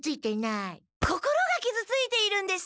心がきずついているんです！